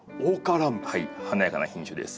華やかな品種です。